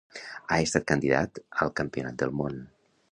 Ha estat candidat al Campionat del Món.